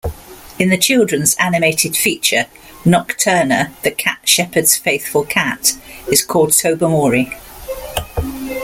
In the children's animated feature, Nocturna, the Cat Shepherd's faithful cat, is called Tobermory.